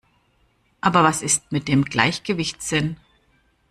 Aber was ist mit dem Gleichgewichtssinn?